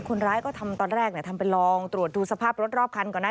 คนร้ายก็ทำตอนแรกทำเป็นลองตรวจดูสภาพรถรอบคันก่อนนะ